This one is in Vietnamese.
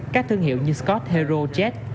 các thương hiệu như scott hero jet